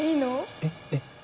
えっえっ。